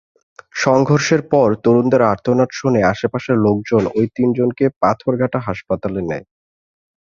সংঘর্ষের পর তরুণদের আর্তনাদ শুনে আশপাশের লোকজন ওই তিনজনকে পাথরঘাটা হাসপাতালে নেয়।